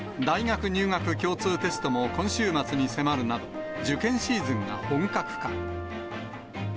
大学入学共通テストも今週末に迫るなど、受験シーズンが本格化。